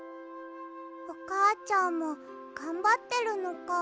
おかあちゃんもがんばってるのか。